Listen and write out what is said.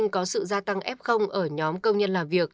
có sự gia tăng f ở nhóm công nhân làm việc